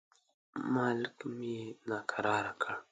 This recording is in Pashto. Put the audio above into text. مالکم یې ناکراره کړ.